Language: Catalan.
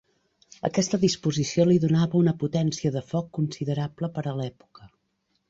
Aquesta disposició li donava una potència de foc considerable per a l'època.